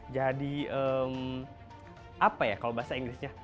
jadi apa ya kalau bahasa inggrisnya